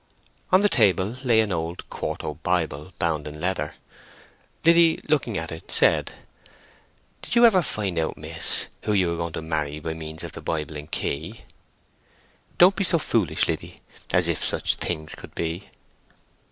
On the table lay an old quarto Bible, bound in leather. Liddy looking at it said,— "Did you ever find out, miss, who you are going to marry by means of the Bible and key?" "Don't be so foolish, Liddy. As if such things could be."